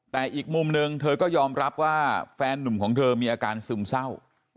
แต่อีกมุมนึงเธอก็ยอมรับว่าแฟนนุ่มของเธอมีอาการซึมเศร้า